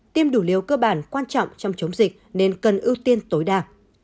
tiêm đủ liều cơ bản quan trọng trong chống dịch nên cần ưu tiên tối đa